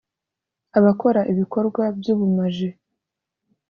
abakora ibikorwa by ubumaji